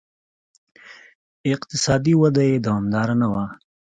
اقتصادي وده یې دوامداره نه وه